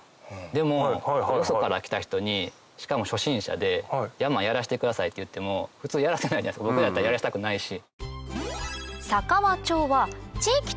でもよそから来た人にしかも初心者で山やらせてくださいって言っても普通やらせないじゃないですか僕だったらやらせたくないし。